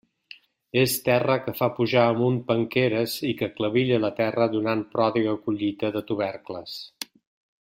És terra que fa pujar amunt penqueres i que clevilla la terra donant pròdiga collita de tubercles.